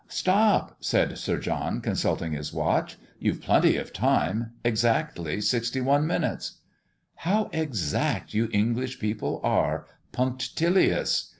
"Stop!" said Sir John, consulting his watch. "You've plenty of time; exactly sixty one minutes." "How exact you English people are punctilious!"